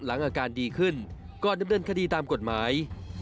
อาการดีขึ้นก่อนดำเนินคดีตามกฎหมาย